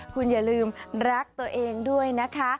คุณอย่าลืมรักตัวเองด้วยนะคะ